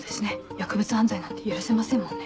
薬物犯罪なんて許せませんもんね。